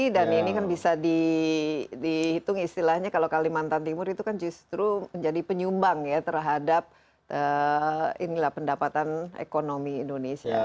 ini kan bisa dihitung istilahnya kalau kalimantan timur itu kan justru menjadi penyumbang ya terhadap pendapatan ekonomi indonesia